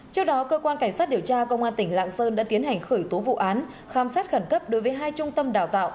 trước đó cơ quan cảnh sát điều tra công an tỉnh lạng sơn đã tiến hành khởi tố vụ án khám xét khẩn cấp đối với hai trung tâm đào tạo